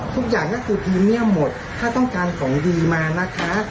ทุกอย่างก็คือพรีเมียมหมดถ้าต้องการของดีมานะคะ